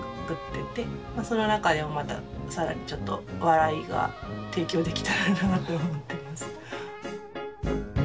まその中でもまた更にちょっと笑いが提供できたらなと思ってます。